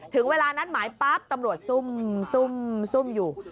ถึงเวลานัดหมายปั๊บตำรวจซุ่มอยู่